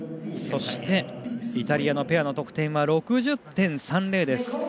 そしてイタリアのペアの得点は６０．３０です。